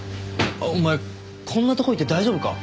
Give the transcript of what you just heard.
お前こんなとこいて大丈夫か？